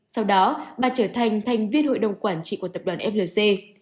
sau đó bà trở thành thành viên hội đồng quản trị của tập đoàn flc